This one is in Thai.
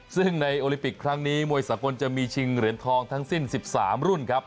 ซึ่งในโอลิมปิกครั้งนี้มวยสากลจะมีชิงเหรียญทองทั้งสิ้น๑๓รุ่นครับ